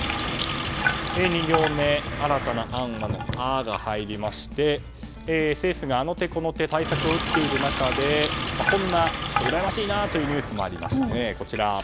２行目、新たな案はの「ア」が入りまして政府が、あの手この手対策を打っている中でこんな、うらやましいニュースもありました。